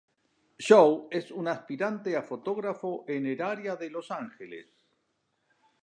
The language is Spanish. Joe es un aspirante a fotógrafo en el área de Los Angeles.